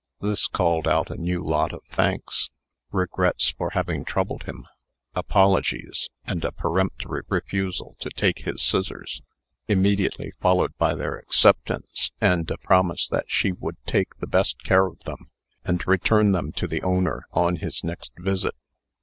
This called out a new lot of thanks, regrets for having troubled him, apologies, and a peremptory refusal to take his scissors, immediately followed by their acceptance, and a promise that she would take the best care of them, and return them to the owner on his next visit.